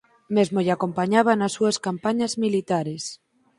Mesmo lle acompañaba nas súas campañas militares.